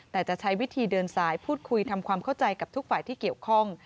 แต่จะใช้วิธีเดินสายพูดคุยทำความเข้าใจกับทุกฝ่ายที่เกี่ยวข้อง